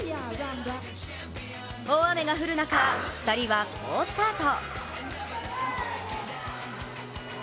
大雨が降る中、２人は好スタート。